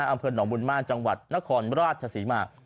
อำเภอหนองบุญมากจังหวัดนครราชศรีมา